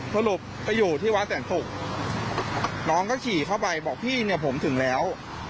สรุปไปอยู่ที่วัดแสนศุกร์น้องก็ขี่เข้าไปบอกพี่เนี่ยผมถึงแล้ว